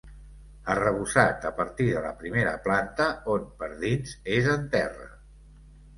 Arrebossat a partir de la primera planta on per dins és en terra.